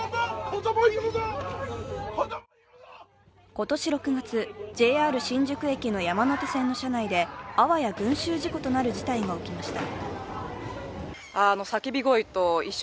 今年６月、ＪＲ新宿駅の山手線の車内であわや群集事故となる事態が起きました。